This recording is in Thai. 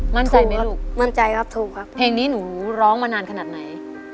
มั่นใจไหมลูกมั่นใจครับถูกครับเพลงนี้หนูร้องมานานขนาดไหน